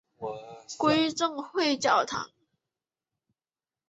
归正会教堂。